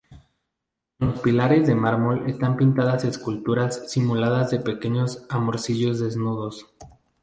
En los pilares de mármol están pintadas esculturas simuladas de pequeños amorcillos desnudos.